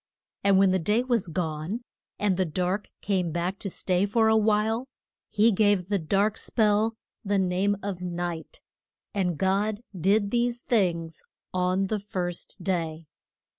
And when the day was gone, and the dark came back to stay for a while, he gave the dark spell the name of Night. And God did these things on the first day.